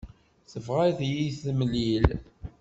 Tebɣa ad yi-temlil.